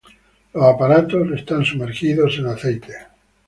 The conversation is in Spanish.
Los aparatos están sumergidos en aceite.